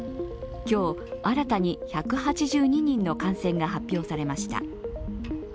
今日、新たに１８２人の感染が発表されました。